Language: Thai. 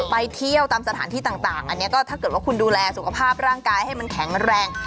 ไปเที่ยวตามสถานที่ต่างอันนี้ก็ถ้าเกิดว่าคุณดูแลสุขภาพร่างกายให้มันแข็งแรง